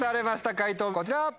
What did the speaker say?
解答こちら！